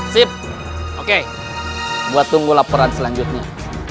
sip oke buat tunggu laporan selanjutnya